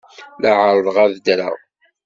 La ɛerrḍeɣ ad ddreɣ.